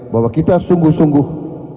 bahwa kita sungguh sungguh